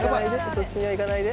そっちには行かないで。